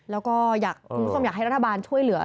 แล้วก็คุณผู้ชมอยากให้รัฐบาลช่วยเหลือ